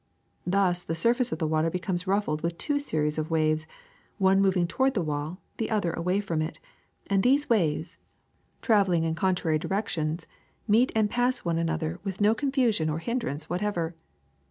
Thus the surface of the water becomes ruffled with two series of waves, one moving toward the wall, the other away from it ; £tnd these waves, travel SOUND 375 ing in contrary directions, meet and pass one an other with no confusion or hindrance whatever.